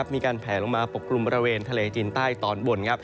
มีการแผลลงมาปกกลุ่มบริเวณทะเลจีนใต้ตอนบน